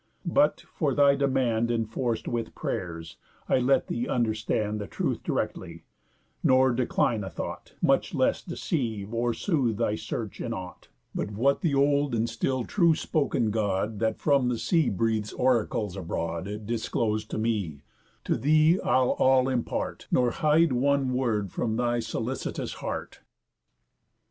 But, for thy demand Enforc'd with pray'rs, I'll let thee understand The truth directly, nor decline a thought, Much less deceive, or sooth thy search in ought; But what the old and still true spoken God, That from the sea breathes oracles abroad, Disclos'd to me, to thee I'll all impart, Nor hide one word from thy sollicitous heart.